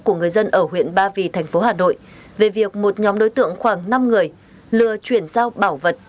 của người dân ở huyện ba vì thành phố hà nội về việc một nhóm đối tượng khoảng năm người lừa chuyển giao bảo vật